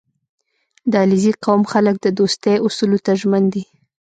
• د علیزي قوم خلک د دوستۍ اصولو ته ژمن دي.